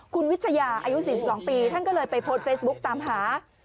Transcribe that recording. คุณวิชยาอายุ๔๒ปีท่านก็เลยไปโพสต์เฟซบุ๊กตามหา